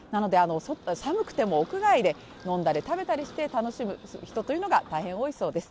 寒くても屋外で飲んだり食べたりして楽しむ人というのが、大変多いそうです。